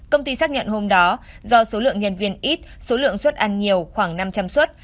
công ty xác nhận hôm đó do số lượng nhân viên ít số lượng xuất ăn nhiều khoảng năm trăm linh suất